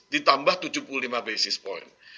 ditambah tujuh puluh lima basis point